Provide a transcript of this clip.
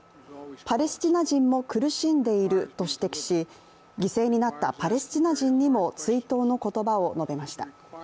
パレスチナ人も苦しんでいると指摘し犠牲になったパレスチナ人にも追悼の言葉を述べました。